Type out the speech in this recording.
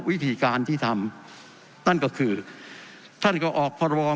วิธีการที่ทำนั่นก็คือท่านก็ออกพรบ